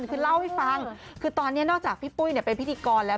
คือเล่าให้ฟังคือตอนนี้นอกจากพี่ปุ้ยเป็นพิธีกรแล้ว